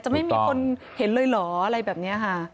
ไม่มีคนเห็นเลยเหรออะไรแบบนี้ค่ะ